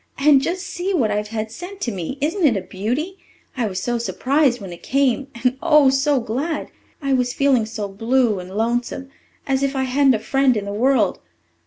And just see what I've had sent to me! Isn't it a beauty? I was so surprised when it came and, oh, so glad! I was feeling so blue and lonesome as if I hadn't a friend in the world.